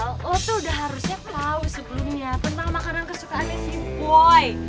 lo tuh udah harusnya tau sebelumnya tentang makanan kesukaannya si boy